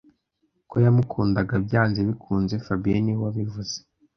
Ko yamukundaga byanze bikunze fabien niwe wabivuze